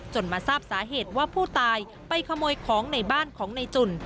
มาทราบสาเหตุว่าผู้ตายไปขโมยของในบ้านของในจุ่น